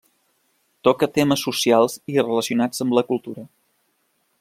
Toca temes socials i relacionats amb la cultura.